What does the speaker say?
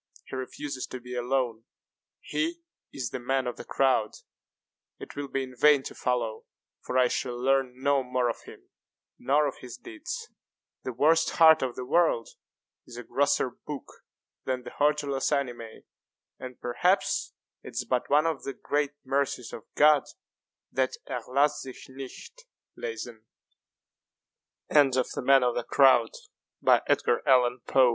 He refuses to be alone. He is the man of the crowd. It will be in vain to follow; for I shall learn no more of him, nor of his deeds. The worst heart of the world is a grosser book than the 'Hortulus Animæ,' * and perhaps it is but one of the great mercies of God that 'er lasst sich nicht lesen.' "* The "Hortulus Ani